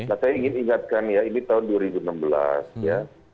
nah saya ingin ingatkan ya ini tahun dua ribu enam belas ya